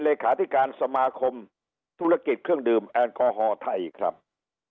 เลขาธิการสมาคมธุรกิจเครื่องดื่มแอลกอฮอล์ไทยครับ